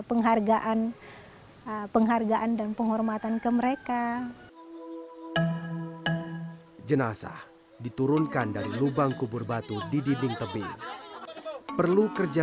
penghargaan dan penghormatan ke mereka